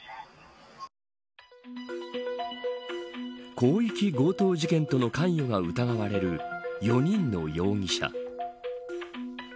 広域強盗事件との関与が疑われる４人の容疑者。